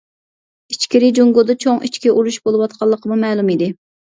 ئىچكىرى جۇڭگودا چوڭ ئىچكى ئۇرۇش بولۇۋاتقانلىقىمۇ مەلۇم ئىدى.